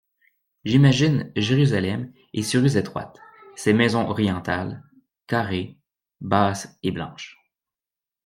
J'imagine Jérusalem et ses rues étroites, ses maisons orientales, carrées, basses et blanches.